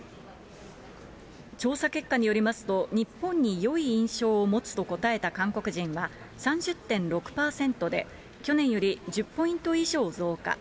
調査結果によりますと、日本によい印象を持つと答えた韓国人は３０．６％で、去年より１０ポイント以上増加。